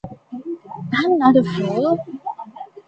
I’m not a fool.